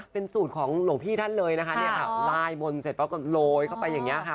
เป็นสูตรของหลวงพี่ท่านเลยนะคะลายมนตร์เสร็จป๊ะก็โลยเข้าไปอย่างนี้ค่ะ